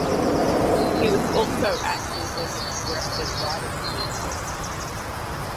He was also active in the Progressive Writers Movement.